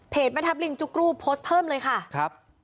เพจแม่ทับลิงจุกรูปโพสเพิ่มเลยค่ะ